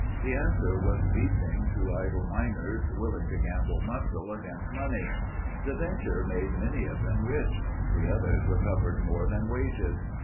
The answer was leasing to idle miners willing to gamble muscle against money. The venture made many of them rich. The others recovered more than wages.